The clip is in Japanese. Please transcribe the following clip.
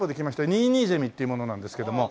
ニイニイゼミっていう者なんですけども。